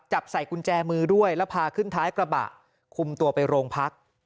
จับใส่กุญแจมือด้วยแล้วพาขึ้นท้ายกระบะคุมตัวไปโรงพัก